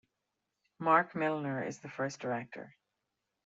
Marc Milner is the first Director.